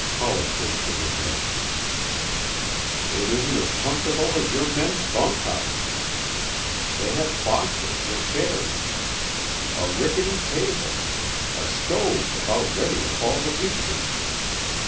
Hollister shook his head. "It isn't as comfortable as your men's bunk house. They have boxes for chairs, a rickety table, a stove about ready to fall to pieces.